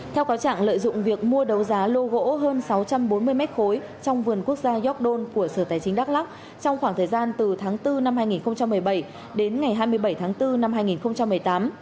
theo cáo trạng lợi dụng việc mua đấu giá lô gỗ hơn sáu trăm bốn mươi mét khối trong vườn quốc gia york don của sở tài chính đắk lắc trong khoảng thời gian từ tháng bốn năm hai nghìn một mươi bảy đến ngày hai mươi bảy tháng bốn năm hai nghìn một mươi tám